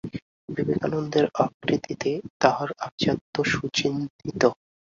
বিবেকানন্দের আকৃতিতে তাঁহার আভিজাত্য সুচিহ্নিত।